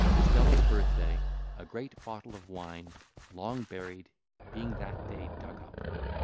STELLA'S BIRTH DAY: A GREAT BOTTLE OF WINE, LONG BURIED, BEING THAT DAY DUG UP.